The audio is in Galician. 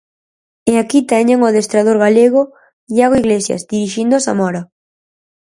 E aquí teñen o adestrador galego Iago Iglesias dirixindo o Zamora.